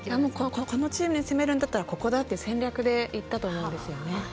このチームを攻めるならここだっていう戦略でいったと思うんですよね。